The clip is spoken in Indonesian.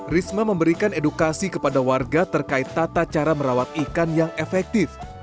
risma memberikan edukasi kepada warga terkait tata cara merawat ikan yang efektif